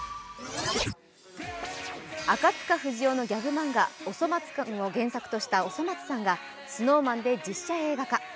赤塚不二夫のギャグ漫画「おそ松くん」を原作とした「おそ松さん」がＳｎｏｗＭａｎで実写映画化。